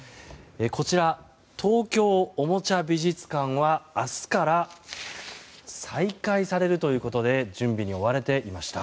こちら、東京おもちゃ美術館は明日から再開されるということで準備に追われていました。